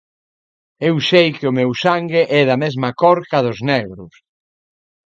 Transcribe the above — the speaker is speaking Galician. Eu sei que o meu sangue é da mesma cor que a dos Negros.